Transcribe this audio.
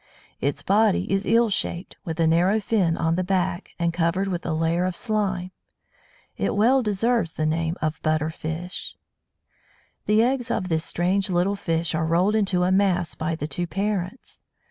Its body is eel shaped, with a narrow fin on the back, and covered with a layer of slime. It well deserves the name of Butter fish. The eggs of this strange little fish are rolled into a mass by the two parents.